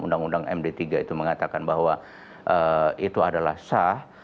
undang undang md tiga itu mengatakan bahwa itu adalah sah